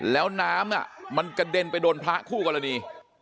แล้วน้ำน่ะมันกระเด็นไปโดนพระคู่กันแหละนี่